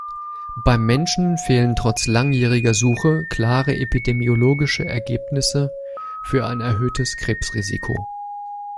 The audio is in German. Beim Menschen fehlen trotz langjähriger Suche klare epidemiologische Ergebnisse für ein erhöhtes Krebsrisiko.